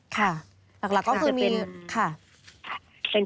ค่ะหลักก็คือมี